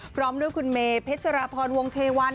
พร้อมด้วยคุณเมเพชรพรวงเทวัน